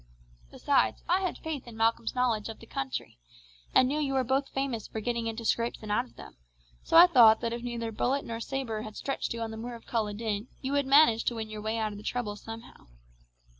Besides, I had faith in Malcolm's knowledge of the country, and knew you were both famous for getting into scrapes and out of them, so I thought that if neither bullet nor sabre had stretched you on the moor of Culloden you would manage to win your way out of the trouble somehow.